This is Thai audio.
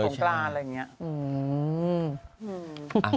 จงกล้าอะไรอย่างนี้